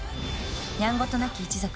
「やんごとなき一族」